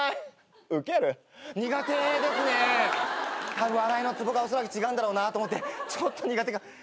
たぶん笑いのつぼがおそらく違うんだろうなと思ってちょっと苦手。